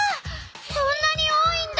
そんなに多いんだ。